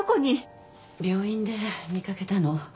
病院で見掛けたの。